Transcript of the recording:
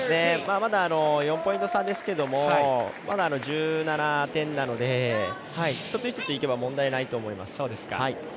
まだ４ポイント差ですけど１７点なので一つ一ついけば問題ないと思います。